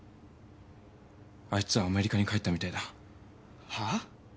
あいつはアメリカに帰ったみたいだ。はあ？